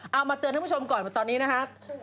เอามาเตือนกันนะครับท่านผู้ชมก่อน